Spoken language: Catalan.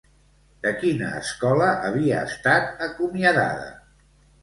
De quina escola havia estat acomiadada?